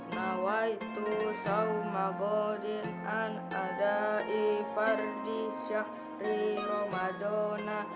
nawaitu shawmagozhin an adaih fardisya hrihromadona